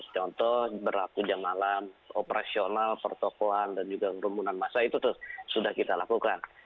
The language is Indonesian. contoh berlaku jam malam operasional pertokohan dan juga kerumunan masa itu sudah kita lakukan